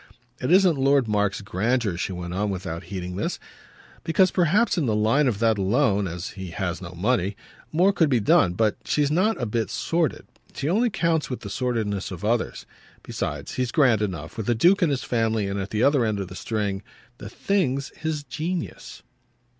"It isn't Lord Mark's grandeur," she went on without heeding this; "because perhaps in the line of that alone as he has no money more could be done. But she's not a bit sordid; she only counts with the sordidness of others. Besides, he's grand enough, with a duke in his family and at the other end of the string. THE thing's his genius."